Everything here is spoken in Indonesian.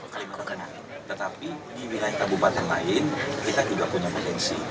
ketika di wilayah kabupaten lain kita juga punya potensi